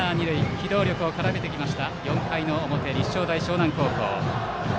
機動力を絡めてきた４回の表の立正大淞南高校。